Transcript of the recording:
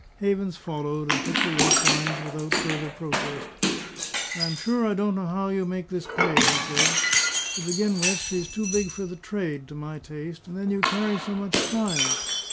Havens followed and took the yoke lines without further protest. "I am sure I don't know how you make this pay," he said. "To begin with, she is too big for the trade, to my taste; and then you carry so much style."